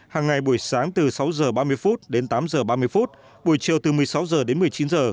hàng ngày buổi sáng từ sáu h ba mươi phút đến tám h ba mươi phút buổi chiều từ một mươi sáu h đến một mươi chín h